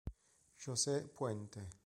José Puente